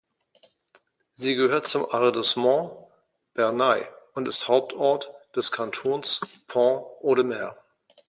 Sie gehört zum Arrondissement Bernay und ist Hauptort des Kantons Pont-Audemer.